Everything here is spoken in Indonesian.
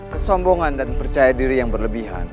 kesombongan dan percaya diri yang berlebihan